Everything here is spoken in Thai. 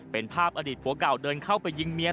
เป็นภาพอดีตผัวเก่าเดินเข้าไปยิงเมีย